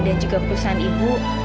dan juga perusahaan ibu